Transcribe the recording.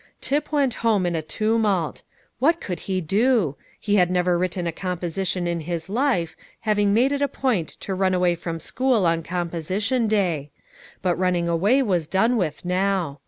Tip went home in a tumult. What could he do? He had never written a composition in his life, having made it a point to run away from school on composition day; but running away was done with now.